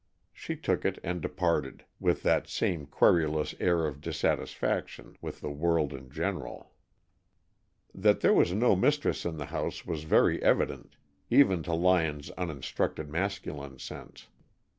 She took it and departed, with that same querulous air of dissatisfaction with the world in general. That there was no mistress in the house was very evident, even to Lyon's uninstructed masculine sense.